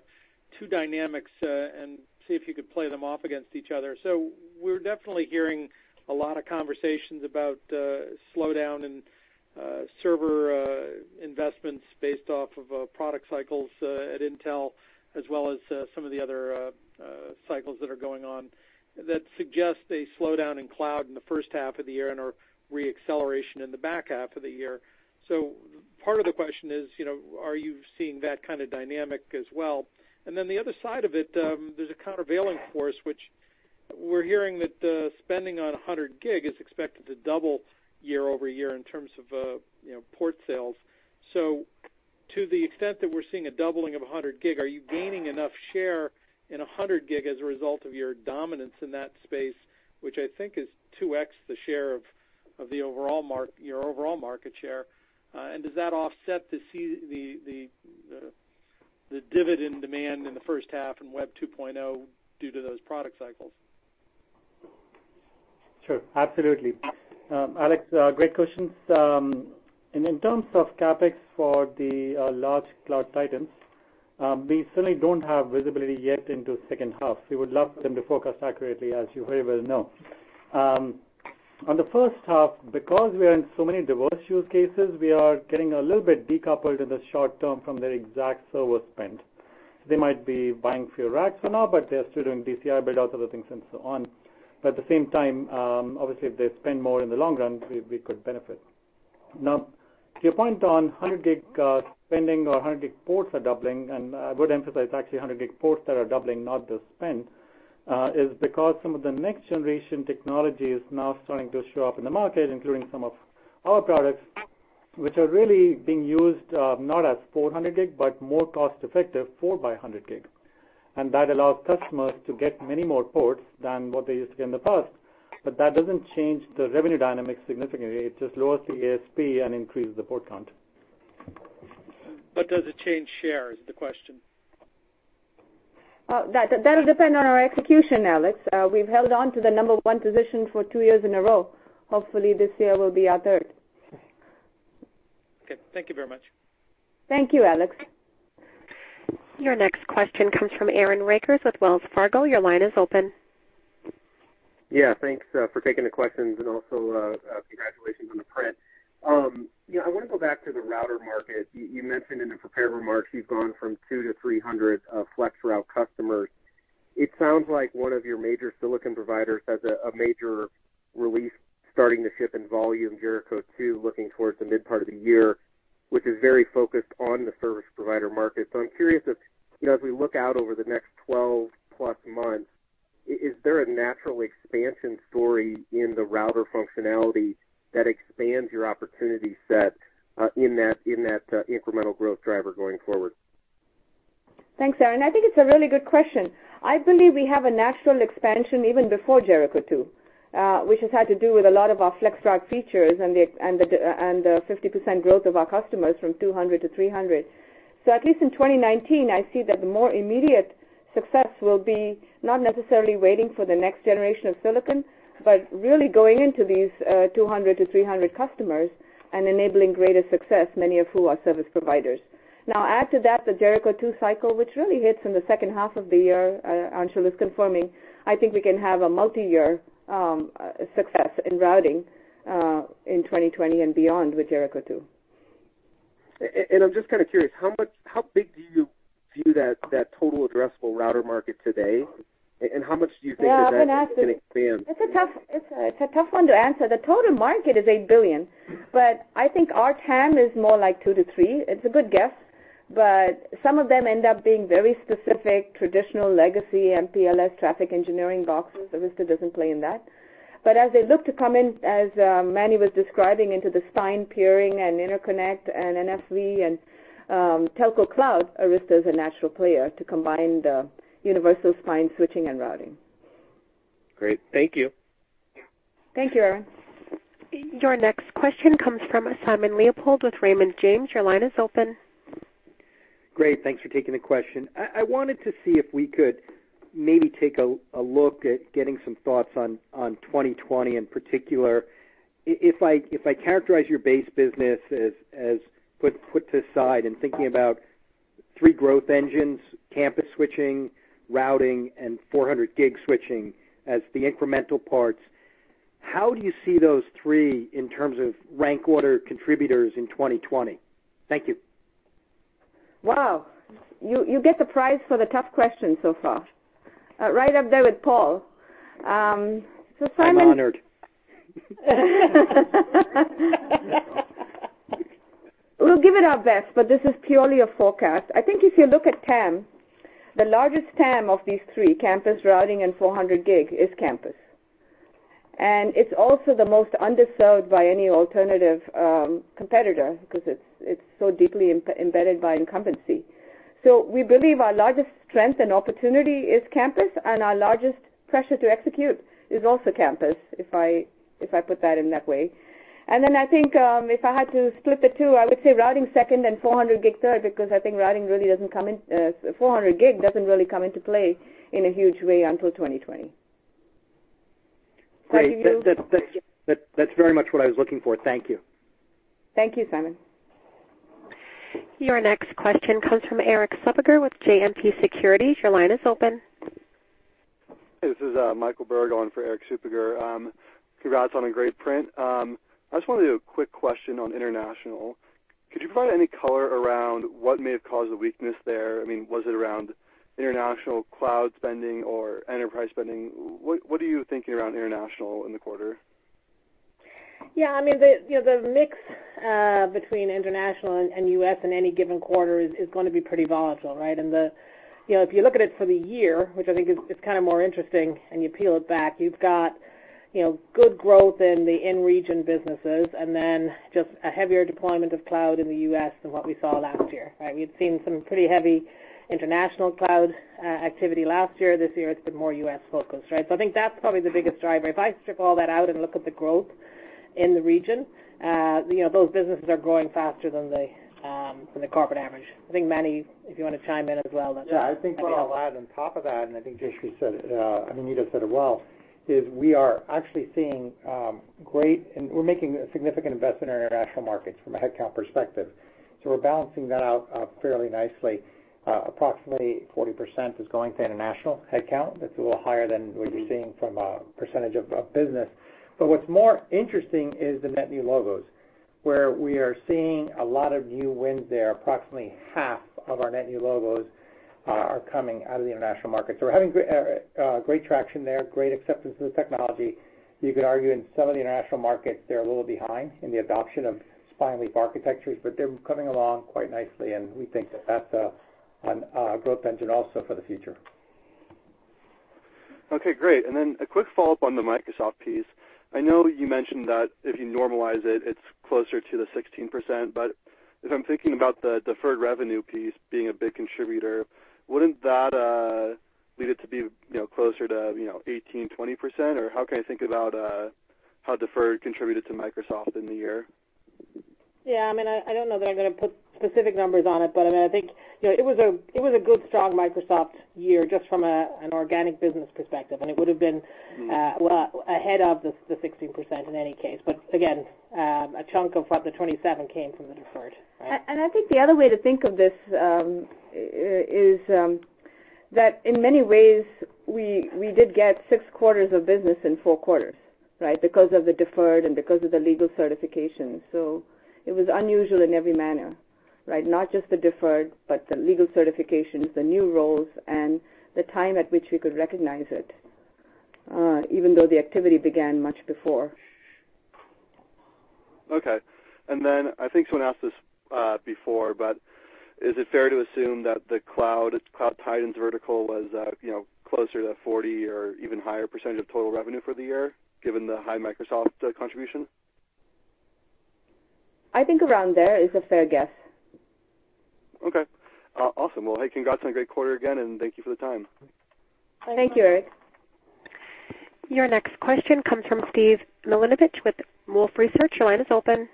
two dynamics, and see if you could play them off against each other. We're definitely hearing a lot of conversations about slowdown in server investments based off of product cycles at Intel, as well as some of the other cycles that are going on that suggest a slowdown in cloud in the first half of the year and/or re-acceleration in the back half of the year. Part of the question is, are you seeing that kind of dynamic as well? The other side of it, there's a countervailing force, which we're hearing that the spending on 100G is expected to double year-over-year in terms of port sales. To the extent that we're seeing a doubling of 100G, are you gaining enough share in 100G as a result of your dominance in that space, which I think is 2x the share of your overall market share? Does that offset the dividend demand in the first half in Web 2.0 due to those product cycles? Sure. Absolutely. Alex, great questions. In terms of CapEx for the large Cloud Titans, we certainly don't have visibility yet into second half. We would love for them to focus accurately, as you very well know. On the first half, because we are in so many diverse use cases, we are getting a little bit decoupled in the short term from their exact server spend. They might be buying fewer racks for now, but they are still doing DCI build outs, other things and so on. At the same time, obviously, if they spend more in the long run, we could benefit. To your point on 100G spending or 100G ports are doubling, and I would emphasize actually 100G ports that are doubling, not the spend, is because some of the next-generation technology is now starting to show up in the market, including some of our products. Which are really being used not as 400G, but more cost-effective 4 by 100G. That allows customers to get many more ports than what they used to get in the past. That doesn't change the revenue dynamics significantly. It just lowers the ASP and increases the port count. Does it change share, is the question. That'll depend on our execution, Alex. We've held on to the number one position for two years in a row. Hopefully, this year will be our third. Okay. Thank you very much. Thank you, Alex. Your next question comes from Aaron Rakers with Wells Fargo. Your line is open. Yeah. Thanks for taking the questions and also congratulations on the print. I want to go back to the router market. You mentioned in the prepared remarks you've gone from two to 300 FlexRoute customers. It sounds like one of your major silicon providers has a major release starting to ship in volume, Jericho2, looking towards the mid part of the year, which is very focused on the service provider market. I'm curious if, as we look out over the next 12 plus months, is there a natural expansion story in the router functionality that expands your opportunity set in that incremental growth driver going forward? Thanks, Aaron. I think it's a really good question. I believe we have a natural expansion even before Jericho2, which has had to do with a lot of our FlexRoute features and the 50% growth of our customers from 200 to 300. At least in 2019, I see that the more immediate success will be not necessarily waiting for the next generation of silicon, but really going into these 200 to 300 customers and enabling greater success, many of who are service providers. Add to that the Jericho2 cycle, which really hits in the second half of the year, Anshul is confirming, I think we can have a multi-year success in routing in 2020 and beyond with Jericho2. I'm just kind of curious, how big do you view that total addressable router market today, and how much do you think that can expand? It's a tough one to answer. The total market is $8 billion, but I think our TAM is more like $2 billion to $3 billion. It's a good guess, but some of them end up being very specific, traditional legacy MPLS traffic engineering boxes. Arista doesn't play in that. As they look to come in, as Manny was describing, into the spine peering and interconnect and NFV and telco cloud, Arista is a natural player to combine the universal spine switching and routing. Great. Thank you. Thank you, Aaron. Your next question comes from Simon Leopold with Raymond James. Your line is open. Great. Thanks for taking the question. I wanted to see if we could maybe take a look at getting some thoughts on 2020 in particular. If I characterize your base business as put to side and thinking about three growth engines, campus switching, routing, and 400 Gig switching as the incremental parts, how do you see those three in terms of rank order contributors in 2020? Thank you. Wow. You get the prize for the tough question so far. Right up there with Paul. I'm honored. We'll give it our best, but this is purely a forecast. I think if you look at TAM, the largest TAM of these three, campus routing and 400 Gig, is campus. It's also the most underserved by any alternative competitor because it's so deeply embedded by incumbency. We believe our largest strength and opportunity is campus, and our largest pressure to execute is also campus, if I put that in that way. I think if I had to split the two, I would say routing second and 400 Gig third, because I think 400 Gig doesn't really come into play in a huge way until 2020. Great. That's very much what I was looking for. Thank you. Thank you, Simon. Your next question comes from Erik Suppiger with JMP Securities. Your line is open. Hey, this is Michael Berg on for Erik Suppiger. Congrats on a great print. I just wanted a quick question on international. Could you provide any color around what may have caused the weakness there? Was it around international cloud spending or enterprise spending? What are you thinking around international in the quarter? Yeah. The mix between international and U.S. in any given quarter is going to be pretty volatile, right? If you look at it for the year, which I think is more interesting, you peel it back, you've got good growth in the in-region businesses and then just a heavier deployment of cloud in the U.S. than what we saw last year, right? We've seen some pretty heavy international cloud activity last year. This year, it's been more U.S.-focused, right? I think that's probably the biggest driver. If I strip all that out and look at the growth in the region, those businesses are growing faster than the corporate average. I think Manny, if you want to chime in as well. Yeah, I think what I'll add on top of that, I think Jayshree said, I mean, you just said it well, is we're making a significant investment in our international markets from a headcount perspective. We're balancing that out fairly nicely. Approximately 40% is going to international headcount. That's a little higher than what you're seeing from a percentage of business. What's more interesting is the net new logos, where we are seeing a lot of new wins there. Approximately half of our net new logos are coming out of the international market. We're having great traction there, great acceptance of the technology. You could argue in some of the international markets, they're a little behind in the adoption of spine-leaf architectures, they're coming along quite nicely, and we think that's a growth engine also for the future. Okay, great. A quick follow-up on the Microsoft piece. I know you mentioned that if you normalize it's closer to the 16%, but if I'm thinking about the deferred revenue piece being a big contributor, wouldn't that lead it to be closer to 18%-20%? How can I think about how deferred contributed to Microsoft in the year? Yeah. I don't know that I'm going to put specific numbers on it, but I think it was a good, strong Microsoft year just from an organic business perspective, and it would've been well ahead of the 16% in any case. Again, a chunk of the 27 came from the deferred, right? I think the other way to think of this, is that in many ways we did get six quarters of business in four quarters, right? Because of the deferred and because of the legal certification. It was unusual in every manner, right? Not just the deferred, but the legal certifications, the new roles, and the time at which we could recognize it, even though the activity began much before. Okay. I think someone asked this before, is it fair to assume that the Cloud Titan vertical was closer to 40% or even higher percentage of total revenue for the year, given the high Microsoft contribution? I think around there is a fair guess. Okay. Awesome. Well, hey, congrats on a great quarter again, and thank you for the time. Thank you, Erik. Your next question comes from Steven Milunovich with Wolfe Research. Your line is open.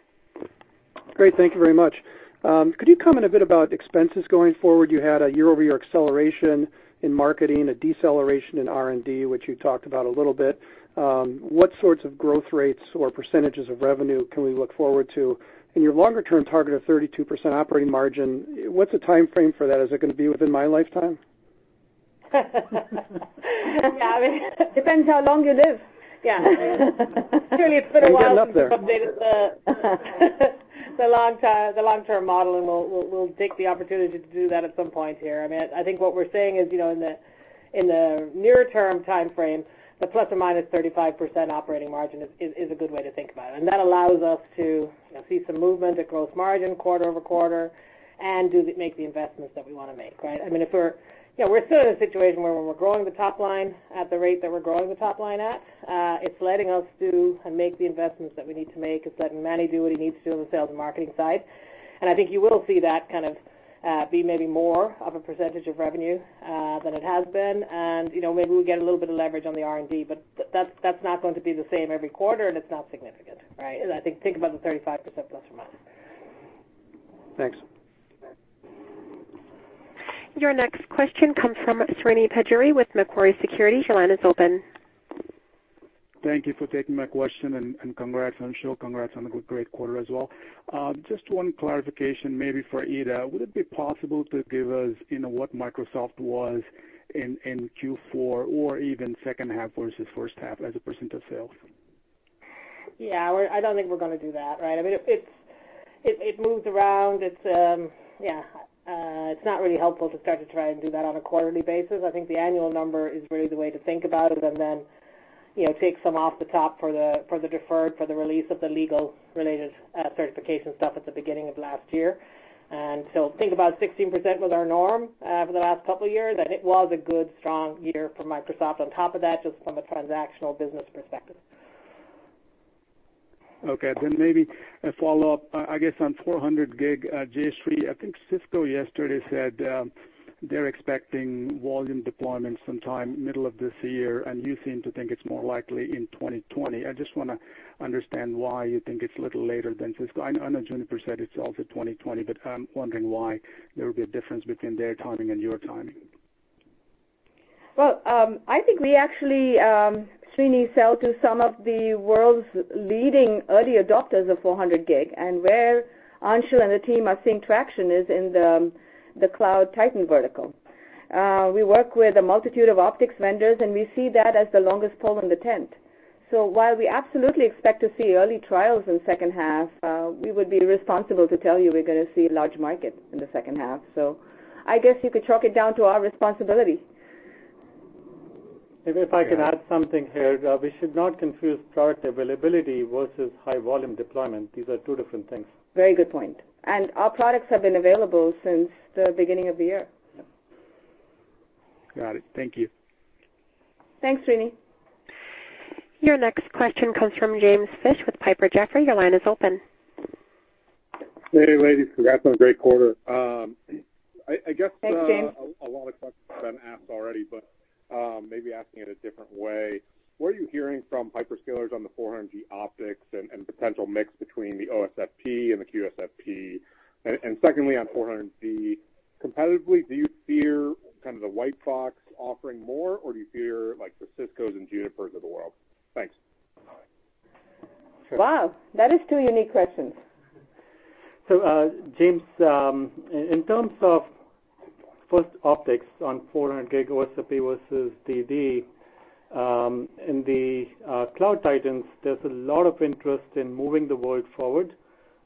Great. Thank you very much. Could you comment a bit about expenses going forward? You had a year-over-year acceleration in marketing, a deceleration in R&D, which you talked about a little bit. What sorts of growth rates or percentages of revenue can we look forward to? In your longer term target of 32% operating margin, what's the timeframe for that? Is it going to be within my lifetime? Yeah. Depends how long you live. Yeah. Clearly it's been a while. I'm getting up there. since we've updated the long-term model, we'll take the opportunity to do that at some point here. I think what we're saying is, in the near-term timeframe, the ±35% operating margin is a good way to think about it. That allows us to see some movement at gross margin quarter-over-quarter and make the investments that we want to make, right? We're still in a situation where when we're growing the top line at the rate that we're growing the top line at, it's letting us do and make the investments that we need to make. It's letting Manny do what he needs to do on the sales and marketing side. I think you will see that be maybe more of a percentage of revenue than it has been, maybe we'll get a little bit of leverage on the R&D, but that's not going to be the same every quarter and it's not significant, right? Think about the 35% ±. Thanks. Your next question comes from Srini Pajjuri with Macquarie Securities. Your line is open. Thank you for taking my question, congrats, Anshul. Congrats on a great quarter as well. Just one clarification, maybe for Ita. Would it be possible to give us what Microsoft was in Q4 or even second half versus first half as a percent of sales? Yeah, I don't think we're going to do that, right? It moves around. It's not really helpful to start to try and do that on a quarterly basis. I think the annual number is really the way to think about it and then take some off the top for the deferred, for the release of the legal-related certification stuff at the beginning of last year. Think about 16% was our norm for the last couple of years, and it was a good, strong year for Microsoft on top of that, just from a transactional business perspective. Okay, then maybe a follow-up, I guess, on 400G, Jayshree. I think Cisco yesterday said they're expecting volume deployment sometime middle of this year, and you seem to think it's more likely in 2020. I just want to understand why you think it's a little later than Cisco. I know Juniper said it's also 2020, but I'm wondering why there would be a difference between their timing and your timing. Well, I think we actually, Srini, sell to some of the world's leading early adopters of 400G, and where Anshul and the team are seeing traction is in the Cloud Titan vertical. We work with a multitude of optics vendors, and we see that as the longest pole in the tent. While we absolutely expect to see early trials in second half, we would be responsible to tell you we're going to see a large market in the second half. I guess you could chalk it down to our responsibility. Maybe if I can add something here. We should not confuse product availability versus high volume deployment. These are two different things. Very good point. Our products have been available since the beginning of the year. Got it. Thank you. Thanks, Srini. Your next question comes from James Fish with Piper Jaffray. Your line is open. Hey ladies. Congrats on a great quarter. Thanks, James. I guess a lot of questions have been asked already, but maybe asking it a different way, what are you hearing from hyperscalers on the 400G optics and potential mix between the OSFP and the QSFP? Secondly, on 400G, competitively, do you fear the white box offering more, or do you fear the Ciscos and Junipers of the world? Thanks. Wow. That is two unique questions. James, in terms of first optics on 400G OSFP versus DD, in the Cloud Titans, there's a lot of interest in moving the world forward,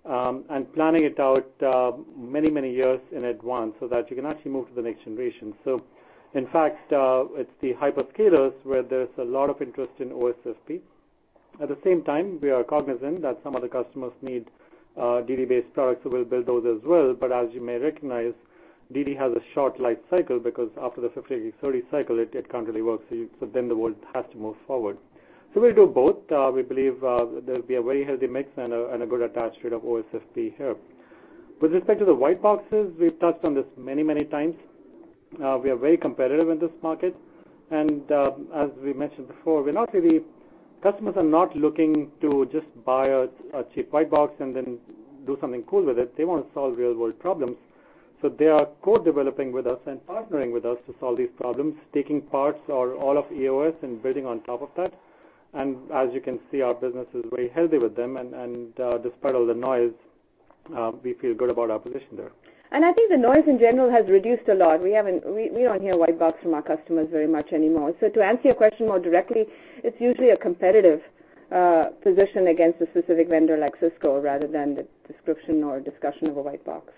and planning it out many, many years in advance so that you can actually move to the next generation. In fact, it's the hyperscalers where there's a lot of interest in OSFP. At the same time, we are cognizant that some other customers need DD-based products, we'll build those as well. As you may recognize, DD has a short life cycle, because after the 50G, 100G cycle, it can't really work, the world has to move forward. We'll do both. We believe there'll be a very healthy mix and a good attach rate of OSFP here. With respect to the white boxes, we've touched on this many, many times. We are very competitive in this market, and as we mentioned before, customers are not looking to just buy a cheap white box and then do something cool with it. They want to solve real-world problems. They are co-developing with us and partnering with us to solve these problems, taking parts or all of EOS and building on top of that. As you can see, our business is very healthy with them, and despite all the noise, we feel good about our position there. I think the noise in general has reduced a lot. We don't hear white box from our customers very much anymore. To answer your question more directly, it's usually a competitive position against a specific vendor like Cisco rather than the description or discussion of a white box.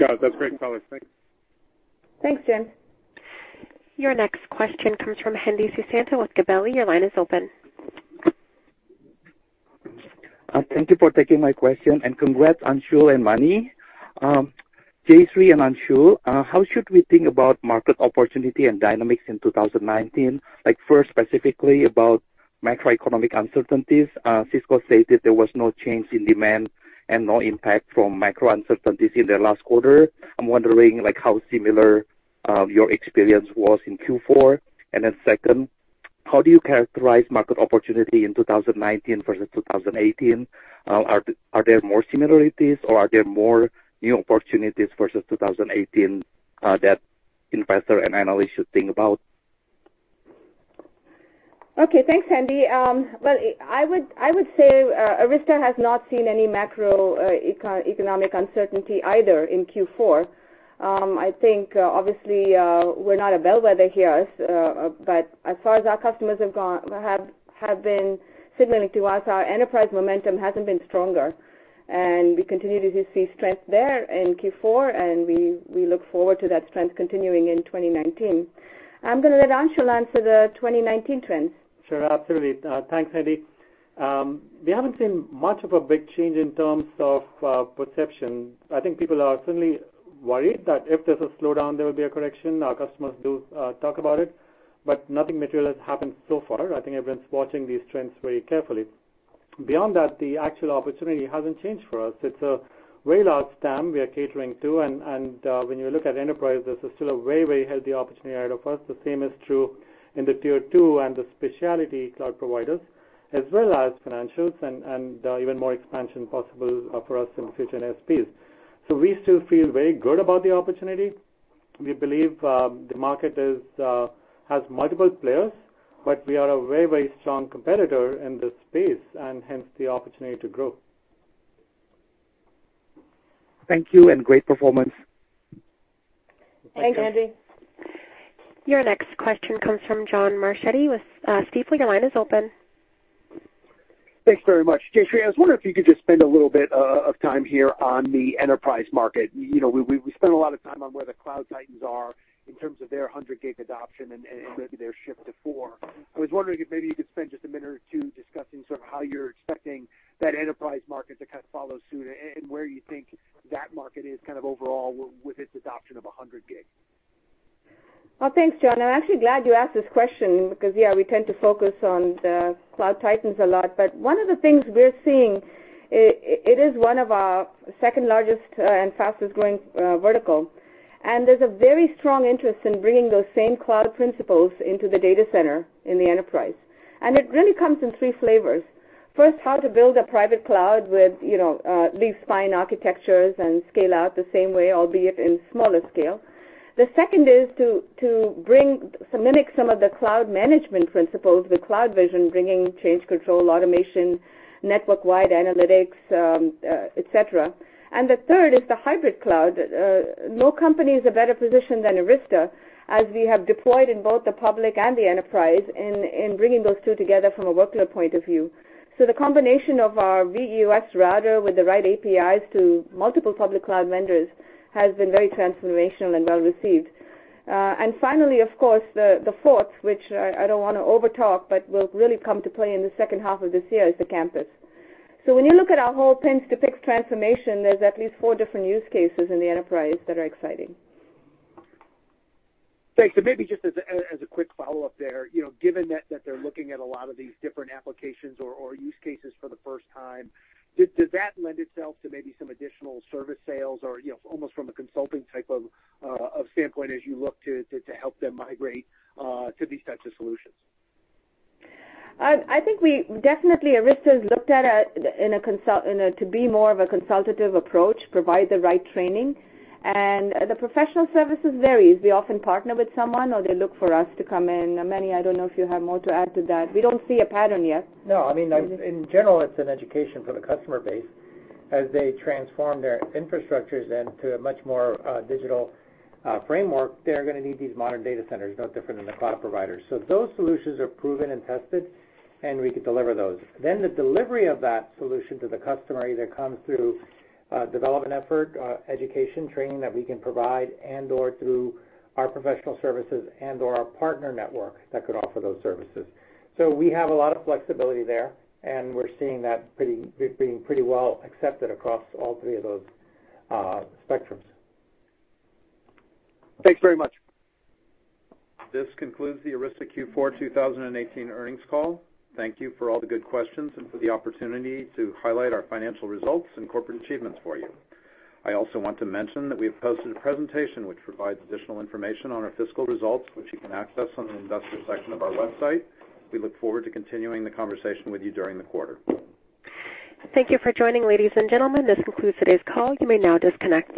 Got it. That's great color. Thanks. Thanks, Jim. Your next question comes from Hendi Susanto with Gabelli. Your line is open. Thank you for taking my question, and congrats, Anshul and Manny. Jayshree and Anshul, how should we think about market opportunity and dynamics in 2019? First, specifically about macroeconomic uncertainties. Cisco stated there was no change in demand and no impact from macro uncertainties in their last quarter. I'm wondering how similar your experience was in Q4. Then second, how do you characterize market opportunity in 2019 versus 2018? Are there more similarities or are there more new opportunities versus 2018 that investors and analysts should think about? Okay. Thanks, Hendi. Well, I would say Arista has not seen any macroeconomic uncertainty either in Q4. I think obviously we're not a bellwether here, but as far as our customers have been signaling to us, our enterprise momentum hasn't been stronger, and we continue to see strength there in Q4, and we look forward to that strength continuing in 2019. I'm going to let Anshul answer the 2019 trends. Sure, absolutely. Thanks, Hendi. We haven't seen much of a big change in terms of perception. I think people are certainly worried that if there's a slowdown, there will be a correction. Our customers do talk about it, but nothing material has happened so far. I think everyone's watching these trends very carefully. Beyond that, the actual opportunity hasn't changed for us. It's a very large TAM we are catering to, and when you look at enterprise, this is still a very healthy opportunity ahead of us. The same is true in the tier 2 and the specialty cloud providers, as well as financials and even more expansion possible for us in future ASPs. We still feel very good about the opportunity. We believe the market has multiple players, we are a very strong competitor in this space and hence the opportunity to grow. Thank you, great performance. Thanks, Hendi. Your next question comes from John Marchetti with Stifel. Your line is open. Thanks very much. Jayshree, I was wondering if you could just spend a little bit of time here on the enterprise market. We spend a lot of time on where the Cloud Titans are in terms of their 100G adoption and maybe their shift to 400G. I was wondering if maybe you could spend just a minute or two discussing how you're expecting that enterprise market to follow suit and where you think that market is overall with its adoption of 100G. Well, thanks, John. I'm actually glad you asked this question because yeah, we tend to focus on the Cloud Titans a lot. One of the things we're seeing, it is one of our second largest and fastest growing vertical, and there's a very strong interest in bringing those same cloud principles into the data center in the enterprise. It really comes in three flavors. First, how to build a private cloud with leaf-spine architectures and scale out the same way, albeit in smaller scale. The second is to mimic some of the cloud management principles with CloudVision, bringing change control, automation, network-wide analytics, et cetera. The third is the hybrid cloud. No company is a better position than Arista, as we have deployed in both the public and the enterprise in bringing those two together from a workload point of view. The combination of our vEOS router with the right APIs to multiple public cloud vendors has been very transformational and well received. Finally, of course, the fourth, which I don't want to over talk, but will really come to play in the second half of this year, is the campus. When you look at our whole [inaudible] transformation, there's at least four different use cases in the enterprise that are exciting. Thanks. Maybe just as a quick follow-up there, given that they're looking at a lot of these different applications or use cases for the first time, does that lend itself to maybe some additional service sales or almost from a consulting type of standpoint as you look to help them migrate to these types of solutions? I think definitely Arista has looked at it to be more of a consultative approach, provide the right training, and the professional services varies. We often partner with someone, or they look for us to come in. Manny, I don't know if you have more to add to that. We don't see a pattern yet. No. In general, it's an education for the customer base. As they transform their infrastructures then to a much more digital framework, they're going to need these modern data centers, no different than the cloud providers. Those solutions are proven and tested, and we could deliver those. The delivery of that solution to the customer either comes through development effort, education, training that we can provide, and/or through our professional services and/or our partner network that could offer those services. We have a lot of flexibility there, and we're seeing that being pretty well accepted across all three of those spectrums. Thanks very much. This concludes the Arista Q4 2018 earnings call. Thank you for all the good questions and for the opportunity to highlight our financial results and corporate achievements for you. I also want to mention that we have posted a presentation which provides additional information on our fiscal results, which you can access on the investor section of our website. We look forward to continuing the conversation with you during the quarter. Thank you for joining, ladies and gentlemen. This concludes today's call. You may now disconnect.